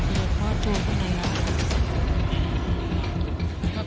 อย่าพอตัวข้างหน้า